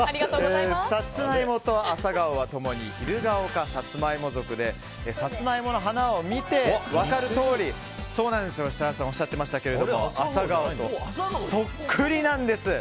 サツマイモとアサガオは共にヒルガオ科サツマイモ属でサツマイモの花を見て分かるとおり設楽さんもおっしゃっていましたがアサガオとそっくりなんです。